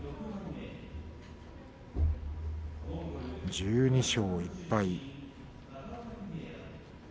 １２勝１敗。